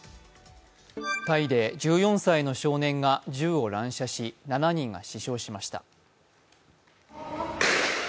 タイで１４歳の少年が銃を乱射し７人が死傷しました。